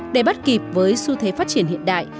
để bắt kịp với xu thế phát triển hiện đại